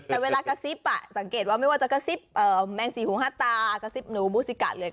แต่เวลากระซิบสังเกตว่าไม่ว่าจะกระซิบแมงสี่หูห้าตากระซิบหนูบูซิกะเลย